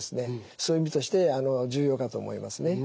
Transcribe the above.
そういう意味として重要かと思いますね。